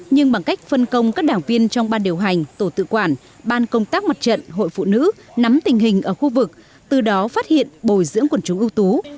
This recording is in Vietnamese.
nhưng bằng cách phân công các đảng viên trong ban điều hành tổ tự quản ban công tác mặt trận hội phụ nữ nắm tình hình ở khu vực từ đó phát hiện bồi dưỡng quần chúng ưu tú